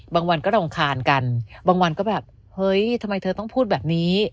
บางวันก็รำคาญกันบางวันก็แบบเฮ้ยทำไมเธอต้องพูดแบบนี้